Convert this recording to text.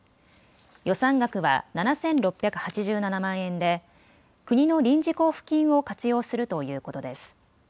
予算額は７６８７万円で国の臨時交付金を活用するということです。